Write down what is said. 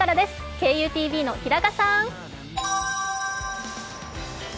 ＫＵＴＶの平賀さん。